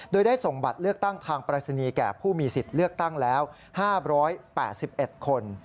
โดยได้ส่งบัตรเลือกตั้งทางปรายศนีย์แก่ผู้มีสิทธิ์เลือกตั้งแล้ว๕๘๑คน